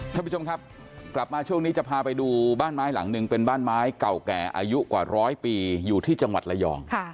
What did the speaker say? ท่านผู้ชมครับกลับมาช่วงนี้จะพาไปดูบ้านไม้หลังหนึ่งเป็นบ้านไม้เก่าแก่อายุกว่าร้อยปีอยู่ที่จังหวัดระยอง